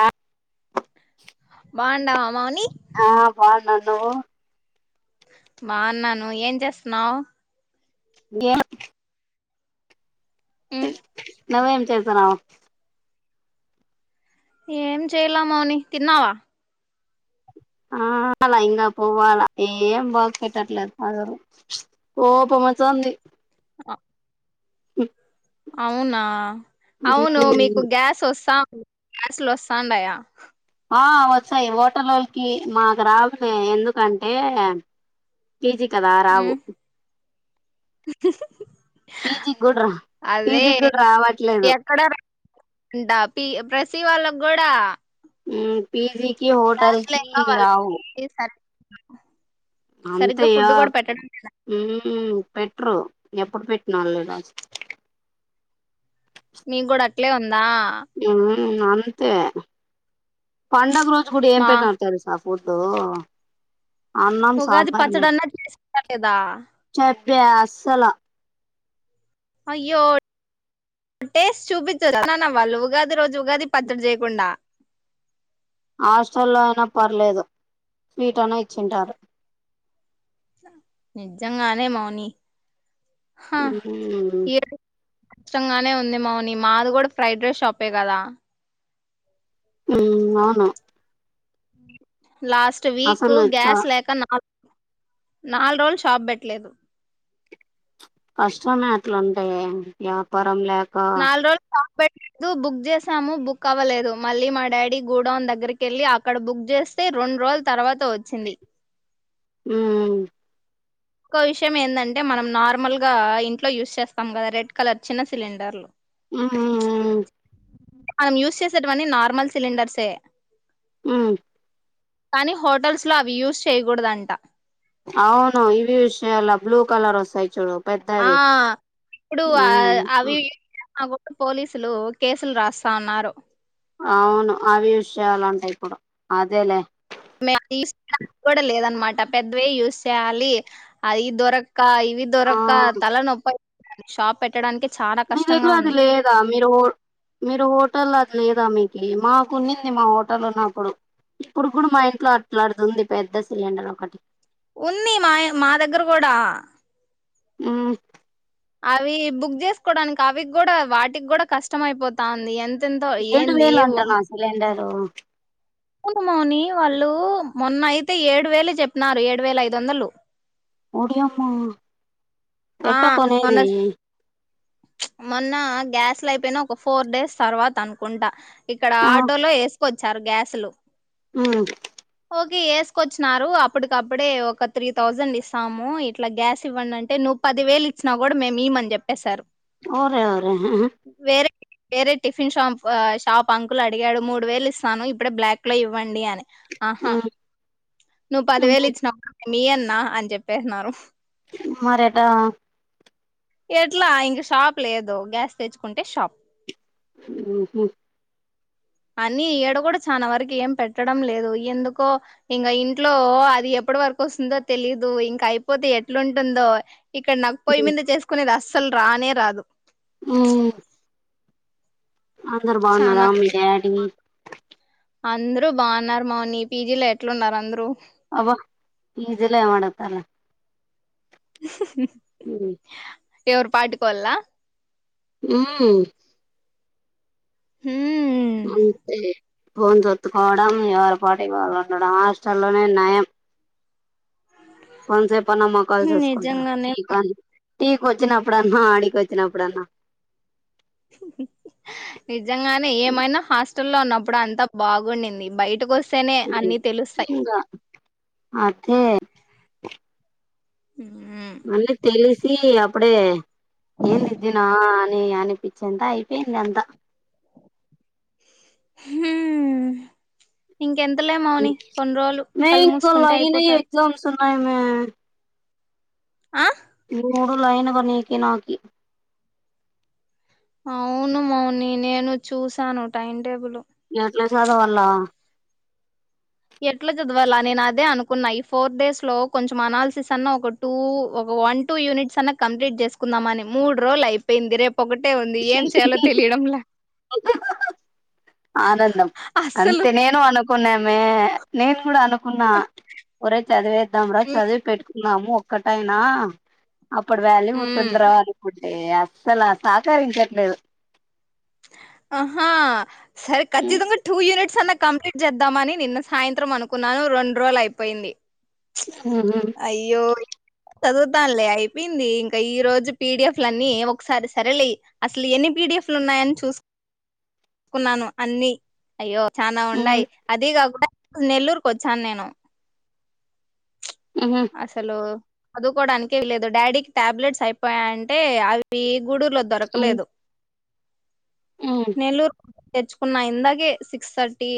ఆ బాండవా మాన్ ఆ బాన్ న్న నువ్వు బాన్నాను ఏం చేస్తన్నావు గేమ్ హ్మ్ నవేం చేసరా ఏం చేయిలా మౌని తిన్నవ ఆ అలా ఇంగ పోవాల ఏం బాగ్ పెట్టట్లేదు అసలు ప్చ్ కోపం వస్తుంది అ అవునా అవును మీకు గ్యాస్ ఓస్తా గ్యాస్ లు వస్తండయా ఆ వచ్చాయి హఓటల్లోళకి మాకు రావలే ఎందుకంటే కేజీ కదా రావు ఉమ్, పీజీకి కూడా రా అదే పీజీకి కూడా రావట్లేదు ఎక్కడంట ప ప్రసి వాళ్ళ గోడా ఈ పిజీ కి హోటల్ కి రావు వాళ్ళకి సరి సరిగ్గా అంతయ ఫుడ్ కూడా పెట్టడం లేదు. పెట్రు ఎప్పుడు పెట్టిన వాళ్ళు నవ కూడా అట్లే ఉంది నా మ్మ్ అంతే పంగ రోజు కూడా ఏం మా పైన ఆడతారు సాఫ పోట ఉగాది పచ్చడిన్నా చేసు లేదా వసల అయ్యో టేస్ చూపిచచ్చ అన్న వాళ్ళు ఉగాది రోజు ఉగాది పత్తడి చేయకుండా హాస్టల్లో అయినా పర్లేదు స్వీట్ అన ఇచ్చింటారు నిజంగానే మౌని హా ఏ కచ్చష్టంగానే ఉంది మామ నీ మాది కూడా ఫ్రైడ్ రైస్ షాపే కదా ఉ అవునా లాస్ట్ వీక్ చ గ్యాస్ లేకనా నాల్ రోజులు షాప్ బేట్టలేదు కష్టమే అట్లుంటే వ్యాపారం పం లేక పెట్దు బుక్ చేసాము బుక్ అవ్వలేదు మళ్ళీ మా డాడీ గూడౌన్ దగ్గరకి వెళ్ళి అక్కడ బుక్ చేస్తే రెండు రోజుల తర్వాత వచ్చింది హ్మ్ ఇంకో విషయం ఎందంటే మనం నార్మల్ గా ఇంట్లో యూస్ చేస్తాం కదా రెడ్ కలర్ చిన్న సిలిండర్లు హ్మ్ హ్మ్ హ్మ్ మనం యూస్ చేసేటివన్ని నార్మల్ సిలిండర్సే ఎ హ్మ్ కానీ హోటల్స్ లో అవి యూస్ చేయకూడదు అంట అవును ఇవి యూస్ చేయాలా బ్లూ కలర్ వస్తాయి చూడు ఆ పెద్దవి ఇప్పుడు ఆ ఉమ్ అవి యూస్ చేసిన కూడా పోలీసులు కేసులు రాస్తాన్నారు అవును అవి యూస్ చేయాలా అంట ఇప్పుడు అదేలే మేము తీసుకోడా లేదు పెద్దవె యూస్ చేయాలి అది దొరక క్క ఇవి ఆ దొరక్క తల నొప్పా అయి షాప్ పెట్టడానికె మీ దగ్గర అది లేదా మీరో మీరు హోటల్ అది లేదా మీకి మాకున్నింది మా హోటల్ ఉన్నప్పుడు ఇప్పుడు కూడా మా ఇంట్లో అట్లాడుతుంది పెద్ద సిలిండర్ ఒకటి ఉంది మా మా దగ్గర కూడా హ్మ్ అవి బుక్ చేసుకోవడానికి అవి కూడా వాటికి కూడా కష్టం అయిపోతా ఉంది ఎం ఏడు వేలు అంటన సిలిండర్ ఓ అవును మోని వాళ్ళు మొన్నయితే ఏడు వేలు చెప్పినారు ఏడు వేల ఐదు వందలు ఒడియమ్మ ఆ ఎట్ట మొన్న కొనేది మొన్న గ్యాస్ లో అయిపోయిన ఒక ఫోర్ డేస్ తర్వాత అనుకుంటా ఇక్కడ ఆటోలో ఏస్ కోచ్చారు గ్యాసు లు హ్మ్ వేసుకొచ్చినారు అప్పటికప్పుడే ఒక త్రీ థౌజండ్ ఇస్తాము ఇట్లా గ్యాస్ ఇవ్వండి అంటే ను పది వేలు ఇచ్చినా కూడా మేము ఇయమని చెప్పేశారు ఓరే ఓరే హ హ వేరే వేరే టిఫిన్ షాంప్ షాప్ అంకులు అడిగాడు మూడు వేలు ఇస్తాను ఇప్పుడే బ్లాక్ లో ఇవ్వండి అని ఆహా మ్మ్ నువ్వు పదివేలు ఇచ్చిన మీయన్ నా అని చెప్పేసనారు మరేటా ఎట్లా ఇంక షాప్ లేదు గ్యాస్ తెచ్చుకుంటే షాప్ హ్మ్ హు అని ఈడ కూడా చనా వరకు ఏం పెట్టడం లేదు ఎందుకో ఇంక ఇంట్లో అది ఎప్పటి వరకు వస్తుందో తెలిదు ఇంక అయిపోతే ఎట్లుంటుందో ఇక్కడ నాకు పోయ్యి మీద చేసుకునే అస్ అసలు రానే రాదు ఉ అందరు బాగున్నారా చానా మీ డాడీ అందరూ బాగున్నారు మాౌని పీజీలో ఎట్లున్నారు అందరూ అబ్బా ఈ పీజీలో ఏం అడుగుతావులే ఎవరు పాటికోల్లా ఉ హ్మ్ అంతే భోన్ తొత్తుకోవడం ఎవరి పాటుకి వాళ్లు ఉండడం హాస్టల్లోనే నయం కొంతసేపు అన్నమ్మకాలు చేసుకుంటారా నిజంగానే ఈ గాలి టీకి వచ్చిన అప్పుడన్నా ఆడికి వచ్చిన అప్పుడన్నా నిజంగానే ఏమైనా హాస్టల్ లో ఉన్నప్పుడు అంతా బాగుండింది బయటకు వస్ హమ్ ఇంగ అదే మళ్ళీ తెలిసీ అప్పుడే ఏందిదినా అని అనిపించింత అయిపోయింది అంతా హ్మ్ ఇంకెంతలే మౌని కొన్ని రోజులు కళ్ళు మూసుకుంటే అయిపోతాది అయి మే ఆ మూడు లైనుగ నీకి నాకి అవును మౌని నేను చూసాను టైం టేబులు ఏట్ల చదవళ్ళ ఎట్ల చదవాలా నేను అదే అనుకున్నా ఈ ఫోర్ డేస్ లో కొంచెం అనాలిసిస్ అన్నా ఒక టూ ఒక వన్ టూ యూనిట్స్ అన్నా కంప్లీట్ చేసుకుందాం అని మూడు రోజులు అయిపోయింది రేప్ ఒకటే ఉంది ఏం చేయాలో తెలియడంలే ఆనందం అస్సలు అంతే నేను అనుకున్నామే నేను గూడా అనుకున్నా ఓ రెన్ చదివేద్దాంరా చదివి పెట్ మాము ఒక్కటైనా అప్పుడు వాల్యూ మ్మ్ ఉంటుంది రా అనుకుంటి ఏ అస్సలు సహకరించట్లేదు ఆహా సరే ఖచ్చితంగా టూ యూనిట్ ట్స్ అన్నా కంప్లీట్ చేద్దామని నిన్న సాయంత్రం అనుకున్నాను రెండు రోజులు అయిపోయింది అయ్యో చదువుతాన్లే అయిపోయింది ఇంక ఈ రోజు పీడిఎఫ్లన్నీ ఒకసారి సరేలే అసలు ఎన్ని పీడిఎఫ్లు ఉన్నాయని చూస్ కున్నాను అన్నీ అయ్యో చనా ఉండై అది గాకున్డా నెల్లూర్కోచాన్ నేను అసలు చదువుకోవడానికే వీలేదు డాడీకి టాబ్లెట్స్ అయిపోయా అంటే అవి గూడూరులో దొరకలేదు నెల్లూర్ తెచ్చుకున్నా ఇందాకే సిక్స్ థర్టీ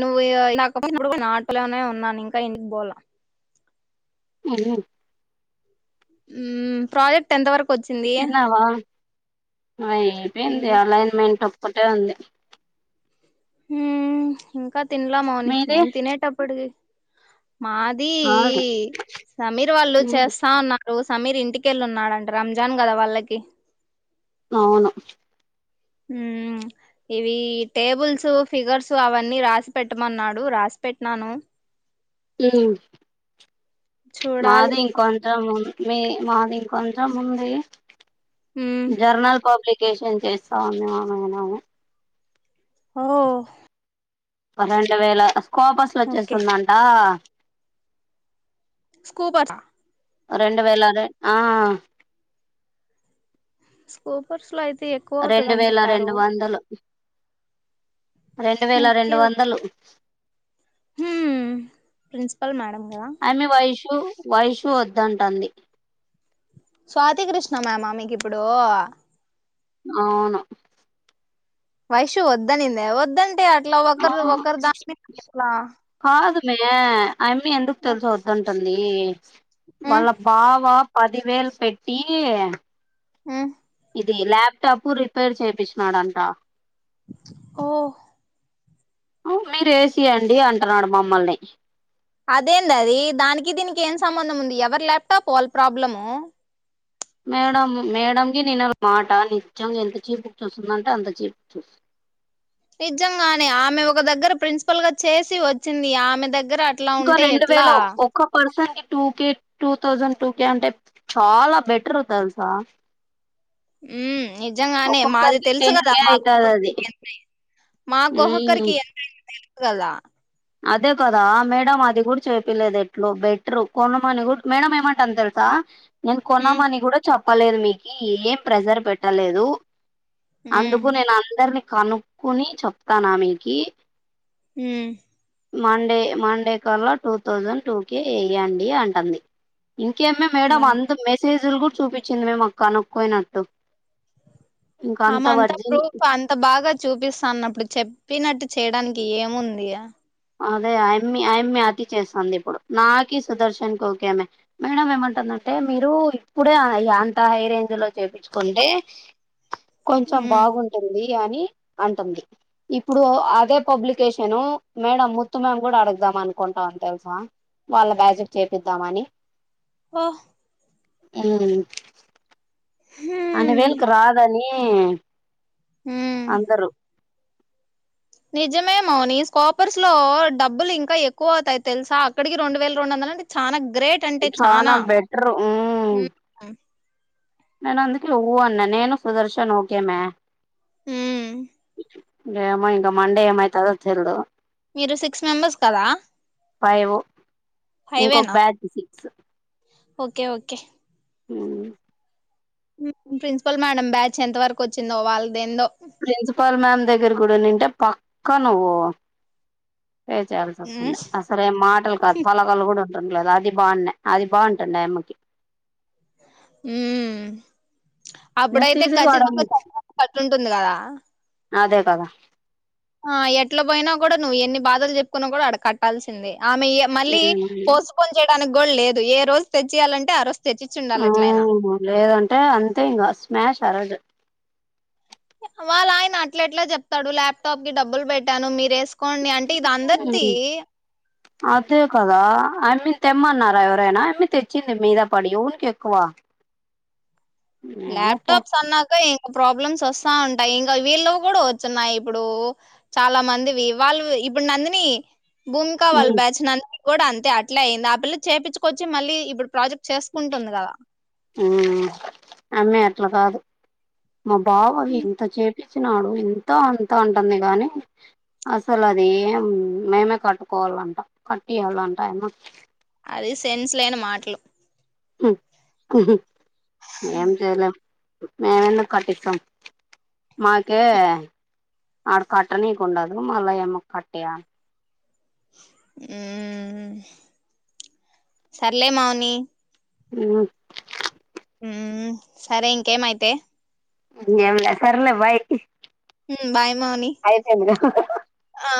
నువ్వు నాకు ఫోన్ చేసినప్పుడు గూడా ఆటోలోనే ఉన్నాను ఇంకా ఇంటికి పోళ్ళ హ్మ్ హ్మ్ ప్రాజెక్ట్ ఎంత వరకు వచ్చింది తిన్నావా ఆ ఐపోయింది అలైన్మెంట్ ఒకటే ఉంది హ్మ్ ఇంకా తినలా మౌని మీది మేం తినేటప్పటికి మాది అవును సమీర్ వాళ్ళు చేస్తా ఉన్న రో సమీర్ ఇంటికెళ్ళు ఉన్నాడుంట రంజాన్ కదా వాళ్ళకి అవును మ్మ్ ఇవి టేబుల్స్ ఫిగర్సు అవన్నీ రాసి పెట్టమన్నాడు రాసి పెట్టినాను. మ్మ్ చూడాలి మాది ఇంకొంత అమౌం మే మాది ఇం కొంచెం ఉంది హ్మ్ జర్నల్ పబ్లిక్ కేషన్ చేస్తా అని అన అనను ఓహ్ ఓ రెండు వేల కోపస్లు ఓకే వచ్చేస్తుందంట స్కూపట రెండు వేల అరె ఆ స్కూపర్స్లో అయి రెండు వేల రెండు వందలు రెండు వేల రెండు ఓకే వందలు హ్మ్ ప్రిన్సిపల్ మ్యాడమ్ అమే వైషు వైషు వద్దంటండి స్వాతి కృష్ణ మ్యామ మీకు ఇప్పుడు అవును వైషు ఒద్దనింద ఒద్ద్దంటే ఆ లా ఆ వకర్ వకర్ దాలా కాదు మే అయమ్మి ఎందుకు తెలుసా వద్దంటుంది టుమ్ది ఉమ్ వాళ్ళ బావా పదివేలు పెట్టి ఉమ్ ఇది ల్యాప్టాప్ రిపేర్ చేపించినాడంట ఓ మీరు ఏసి అండి అంటున్నాడు మమ్మల్ని అదేం అది దానికి దీనికి ఏం సంబంధం ఉంది ఎవరి ల్యాప్టాప్ వాళ్ళ ప్రాబ్లము మేడం మేడకి నేను మాట నిజంగా ఎంత చీపుకి చూస్తుందంటే అంత చీపు చూస్తా నిజంగానే ఆమె ఒక దగ్గర ప్రిన్సిపల్ గా చేసి వచ్చింది ఆమె దగ్గర అట్లా ఇంకా ఉంటే రెండు ఎట్లా వేల ఒక్క percent two K two thousand two K అంటే చాలా బెటర్ తె తెలుసా ఉమ్ నిజంగానే మాది ఒక్కొక్కరికి తెలుసు టెన్ కదా కే మా అయితది అది ఒక్కొక్కరికి ఎంత అయంది ఉమ్ మాకుక్కొక్కరికి ఎంత అయి దా అదే కదా మేడం అది కూడా చేపలేదు ఎట్లు బెటరు కొనమని కూడా మేడ ఏమంటాని తెలుసా నేను ఉమ్ కొనమని కూడా చెప్ప చెప్పలేదు మీకు ఏం ప్రెజర్ పెట్టలేదు ఉమ్ అందుకు నేను అందరిని కనుక్కొని చెప్తాను ఆమెకి ఉమ్ మండే మండే కళ్ళ టూ థౌజండ్ టూ కే వేయండి అంటుంది ఇంకేం మే మేడం మన్ అంత మెసేజ్ జులు కూడా చూపించింది మే కనుక్కోయినట్టు ఇంక అమె అంత వర్జిన్ ప్రూఫ్ అంత బాగా చూపిస్తాన్నప్పుడు చెప్పినట్టు చేయడానికి ఏముంది అదే అ అమ్మి ఆ అమ్మి అతి చేస్తుంది ఇప్పుడు నాకి సుదర్శన్ కి ఓకే మే మేడం ఏమంటుందంటే మీరు ఇప్పుడే అంత హై రేంజ్ లో చేపించుకుంటే కొంచెం ఉమ్ బాగుంటుంది అని అంటుంది ఇప్పుడు అదే పబ్లికేషను మేడం ముత్తు మేము కూడా అడుగుదాం అనుకుంటాంని తెలుసా వాళ్ళ బ్యాచ్ కి చేపిద్దామని ఆ ఉమ్ అలివేల్కు రాదని ఉమ్ హ్మ్ అందరూ నిజమే మౌని స్కోపర్స్ లో డబ్బులు ఇంకా ఎక్కువ అవుతాయి తెలుసా అక్కడికి రెండు వేల రెండు వందల అంటే చానా గ్రేట్ అంటే చాన చానా బెటర్ హ్మ్ నను అందుక ఊ అన్న నేను సుదర్శన్ ఒకే మే హ్మ్ ఏమో ఇంగ మండే ఏం అయితధో తెల్దు మీరు సిక్స్ మెంబెర్స్ కదా ఫైవు ఇంకొక బ్యాచ్ సిక్స్ ఒకే ఒకే హ్మ్మ్ ప్రిన్సిపల్ మ్యాడమ్ బ్యాచ్ ఎంత వరకు వచ్చిందో వాళ్ళద ఏందో ప్రిన్సిపల్ మ్యామ్ దే రుడు నుంట పక్క నువ్ పే చేయాల్సి వస్తుందియి అసలు ఏం మాటలు కాదు పొలగలు కూడా అది బాన్న అది బాంటన్నా ఎకి హ్మ్ నేను అప్పుడైతే తీసేసి వాడను కఖచ్చితంగా చ కట్టుంటుంది కదా పద ఆ ఎట్లా పోయినా కూడా నువ్వు ఎన్ని బాధలు చెప్పుకున్నా కూడా అడ కట్టాల్సిందే ఆమె మళ్ళీ పోసుపొ చే తన గోల్ లేదు ఏ రోజు తెచ్చియాలంటే ఆ ర చర్చిచి ఉండాలి ఎట్లయినా అంత ఇం స్మాష్ అరదు వాళ్ళ ఆయన అట్ల ఎట్లా చెప్తాడు ల్యాప్టాప్ కి డబ్బులు పెట్టాను మీరే అదే కదా ఐ మీన్ తెమ్మన్నారా ఎవరైనా అ మీ తెచ్చింది మీద పడి ఊనికి ఎక్కువ ఏమో పో ల్యాప్టాప్స్ అన్నాక ఇంకా ప్రాబ్లమ్స్ వస్తా ఉంటా అంట ఇంకా వీళ్ళ కూడా వచ్చన్నాయి ఇప్పుడు చాలా మందివి వాళ్ళు ఇప్పుడు నందిని భూమిక వాళ్ళ బ్యాచ్న కూడా అంతే అట్లే అయింది ఆ పిల్లలు చేపుకొచ్చి మళ్ళీ ఇప్పుడు ప్రాజెక్ట్ చేసుకుంటుంది కదా అలా కాదు మా భావ అహ తజ ఇచ్చినాడు ఇంత అంత అంటాం వీడ అని అసలు అది ఏం మేమే కట్టుకోవాలంటాం కట్టియాలంట యామ్మకి అది సెన్స్ లేని మాటలు హు హుమ్మ్ ఏం చేయలేం మేమ్ ఎందుకు కట్టిస్తాం మాకే ఆడ కట్ట నీక్ ఉండదు మళ్ళా ఏమో కట్టేయాలి. ఇమ్ సర్లే మౌని ఆ ఊమ్ సరే ఇంకేమయితే ఇంగేమ్ ల సర్లే బాయ్ ఊమ్ బాయ్ మౌని అయిపోయిందిగా ఆ